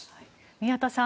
宮田さん